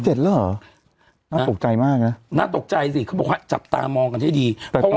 ๓๗แล้วหรอน่าตกใจมากน่าตกใจสิเขาบอกว่าจับตามองกันให้ดี